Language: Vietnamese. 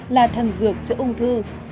là thần dược chữa ung thư